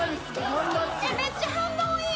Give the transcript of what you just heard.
めっちゃ反応いい！